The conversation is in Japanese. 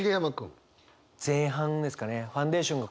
前半ですかね。